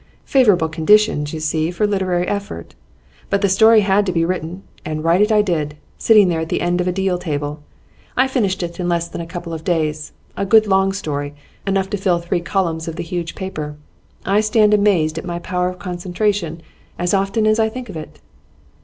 Favourable conditions, you see, for literary effort. But the story had to be written, and write it I did, sitting there at the end of a deal table; I finished it in less than a couple of days, a good long story, enough to fill three columns of the huge paper. I stand amazed at my power of concentration as often as I think of it!